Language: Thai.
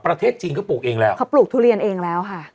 ประเทศจีนเขาปลูกเองแล้วเขาปลูกทุเรียนเองแล้วค่ะ